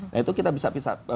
nah itu kita bisa